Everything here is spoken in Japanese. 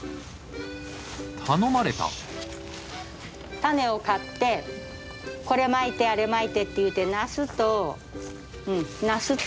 種を買ってこれまいてあれまいてって言うてナスとうんナスと。